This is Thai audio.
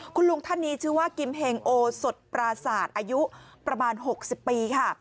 คุณลุงท่านนี้ชื่อว่ากิมเฮงโอสดปราศาสตร์อายุประมาณ๖๐ปีค่ะ